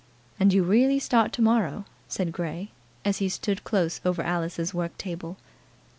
"And you really start to morrow?" said Grey, as he stood close over Alice's work table.